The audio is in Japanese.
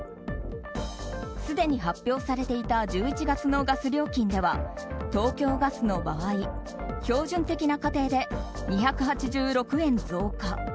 すでに発表されていた１１月のガス料金では東京ガスの場合標準的な過程で２８６円増加。